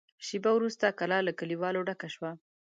شېبه وروسته کلا له کليوالو ډکه شوه.